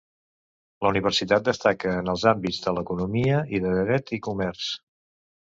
La Universitat destaca en els àmbits de l'Economia i de Dret i Comerç.